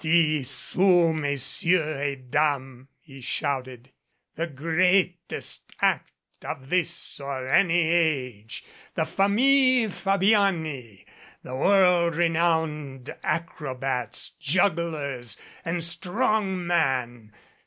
"Dix sous, Messieurs et Dames!" he shouted. "The greatest act of this or any age the Famille Fabiani, the world renowned acrobats, jugglers and strong man!